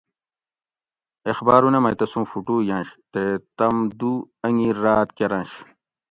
اخباۤرونہ مئ تسوں فُٹو ینش تے تم دُو انگیر راۤت کۤرنش